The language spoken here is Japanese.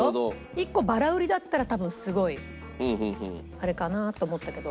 １個バラ売りだったら多分すごいあれかなと思ったけど。